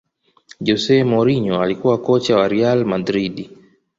jose mourinho alikuwa kocha wa real madridhi